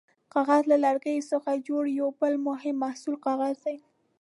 کاغذ: له لرګیو څخه جوړ یو بل مهم محصول کاغذ دی.